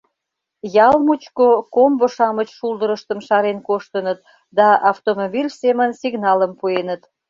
Ял мучко комбо-шамыч шулдырыштым шарен коштыныт да автомобиль семын сигналым пуэныт.